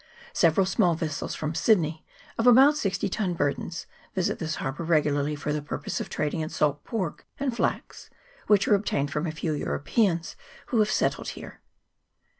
Several small vessels from Sydney, of about sixty tons burden, visit this harbour regularly for the purpose of trading in salt pork and flax, which are obtained from a few Europeans who have settled here.